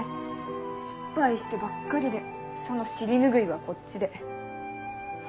失敗してばっかりでその尻拭いはこっちで。